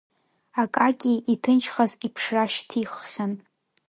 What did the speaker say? Акакьи иҭынчхаз иԥшра шьҭиххьан.